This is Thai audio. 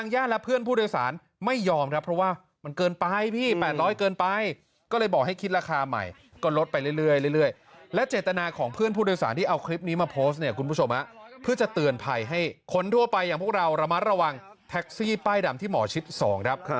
ให้คนทั่วไปอย่างพวกเราระมัดระวังแท็กซี่ป้ายดำที่หมอชิต๒ครับ